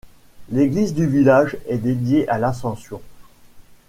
L'église du village est dédiée à l'Ascension.